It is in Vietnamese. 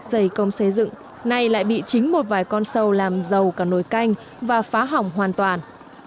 giày công xây dựng nay lại bị chính một vài con sâu làm dầu cả nồi canh và phá hỏng hoàn toàn